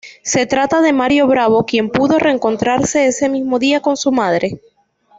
Se trata de Mario Bravo quien pudo reencontrarse ese mismo día con su madre.